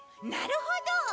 なるほど！